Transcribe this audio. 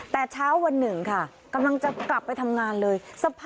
แต่เช้าวันหนึ่งค่ะกำลังจะกลับไปทำงานเลย